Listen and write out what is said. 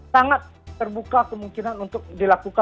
sangat terbuka kemungkinan untuk dilakukan